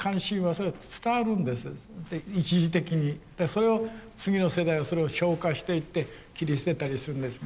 それを次の世代はそれを消化していって切り捨てたりするんですが。